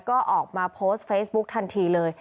ก็ออกมาโพสต์เฟซบุ๊กทันทีเลย